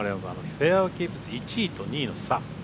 フェアウエーキープ率１位と２位の差。